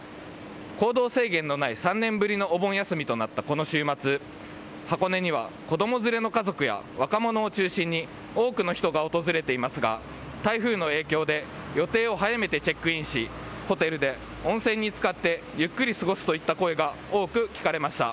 行動制限のない３年ぶりのお盆休みとなったこの週末箱根には子供連れの家族や若者を中心に多くの人が訪れていますが台風の影響で予定を早めてチェックインしホテルで温泉につかってゆっくり過ごすといった声が多く聞かれました。